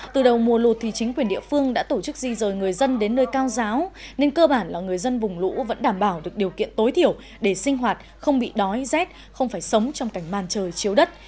từ đầu mùa lụt thì chính quyền địa phương đã tổ chức di rời người dân đến nơi cao giáo nên cơ bản là người dân vùng lũ vẫn đảm bảo được điều kiện tối thiểu để sinh hoạt không bị đói rét không phải sống trong cảnh màn trời chiếu đất